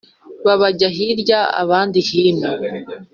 Babajya hirya, abandi hino